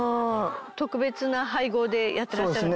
特別な配合でやってらっしゃるんですか？